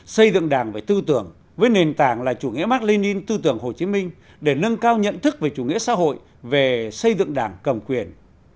xây dựng đảng về tư tưởng với nền tảng là chủ nghĩa mark lenin tư tưởng hồ chí minh để nâng cao nhận thức về chủ nghĩa xã hội về xây dựng đảng cầm quyền